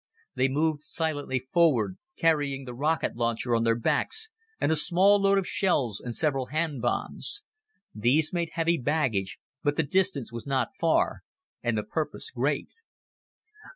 They moved silently forward, carrying the rocket launcher on their backs and a small load of shells and several hand bombs. These made heavy baggage, but the distance was not far, and the purpose great.